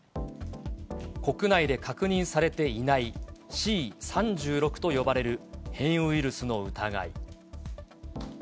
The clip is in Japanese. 国内で確認されていないＣ３６と呼ばれる変異ウイルスの疑い。